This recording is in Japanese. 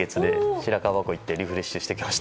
白樺湖に行ってリフレッシュしてきました。